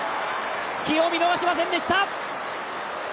隙を見逃しませんでした！